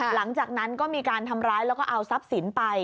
หลังจากนั้นก็มีการทำร้ายแล้วก็เอาทรัพย์สินไป